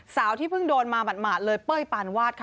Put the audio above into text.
ที่เพิ่งโดนมาหมาดเลยเป้ยปานวาดค่ะ